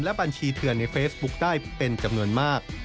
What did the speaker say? และบัญชีเถื่อนในเฟซบุ๊คได้เป็นจำนวนมาก